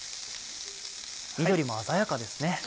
緑も鮮やかですね。